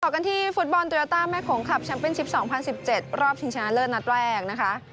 กันที่ฟุตบอลโยต้าแม่โขงคลับแชมปิ้ลชิป๒๐๑๗รอบชิงชนะเลิศนัดแรกนะคะ